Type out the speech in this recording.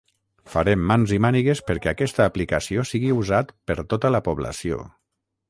Farem mans i mànigues perquè aquesta aplicació sigui usat per tota la població.